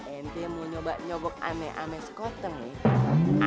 ente mau nyobok aneh aneh sekoteng nih